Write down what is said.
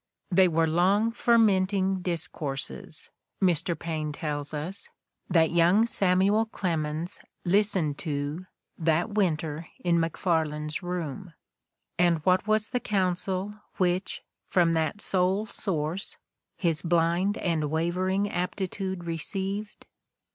"They were long fermenting discourses," Mr. Paine tells us, "that young Samuel Clemens listened to that winter in Maefarlane 's room." And what was the counsel which, from that sole source, his blind and wavering aptitude received?